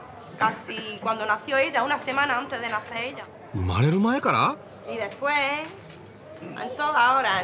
生まれる前から？